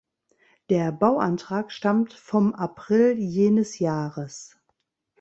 Der Bauantrag stammt vom April jenes Jahres.